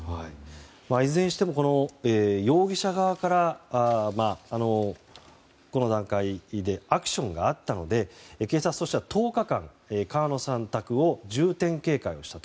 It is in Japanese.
いずれにしても容疑者側からこの段階でアクションがあったので警察としては１０日間川野さん宅を重点警戒したと。